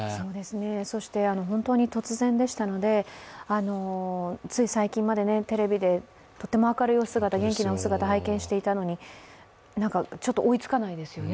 そして本当に突然でしたのでつい最近までテレビでとても明るいお姿、元気なお姿拝見していたのにちょっと追いつかないですよね。